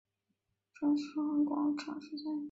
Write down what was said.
战神广场之间。